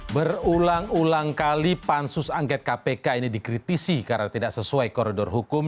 berulang ulang kali pansus angket kpk ini dikritisi karena tidak sesuai koridor hukum